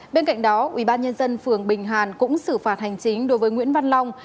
bên cạnh đó ubnd phường bình hàn cũng xử phạt hành chính đối với nguyễn văn long